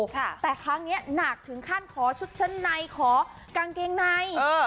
แต่ครั้งนี้หนักถึงขั้นขอชุดชั้นในขอกางเกงใน